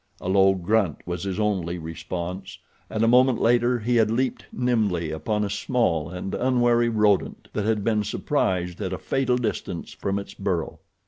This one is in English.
A low grunt was his only response, and a moment later he had leaped nimbly upon a small and unwary rodent that had been surprised at a fatal distance from its burrow.